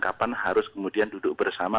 kapan harus kemudian duduk bersama